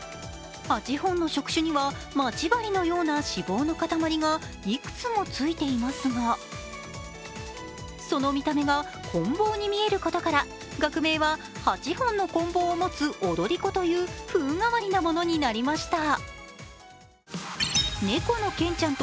８本の触手には待ち針のような脂肪の塊がいくつもついていますが、その見た目がこん棒に見えることから、学名は８本のこん棒を持つ踊り子という風変わりなものになりました。